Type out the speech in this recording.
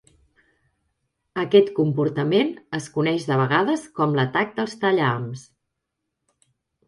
Aquest comportament es coneix de vegades com "l'atac dels tallahams".